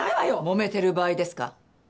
もめてる場合ですか？